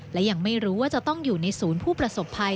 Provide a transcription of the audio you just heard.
และยังไม่รู้ว่าจะต้องอยู่ในศูนย์ผู้ประสบภัย